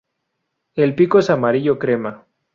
El pico es amarillo crema.